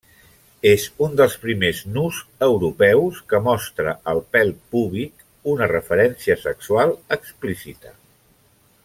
És un dels primers nus europeus que mostra el pèl púbic, una referència sexual explícita.